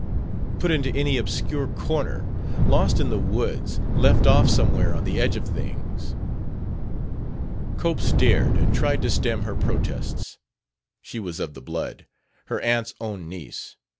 Put into any obscure corner, lost in the woods, left off somewhere on the edge of things...." Cope stared and tried to stem her protests. She was of the blood, her aunt's own niece.